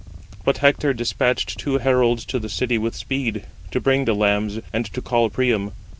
But Hector despatched two heralds to the city with speed, to bring the lambs, and to call Priam.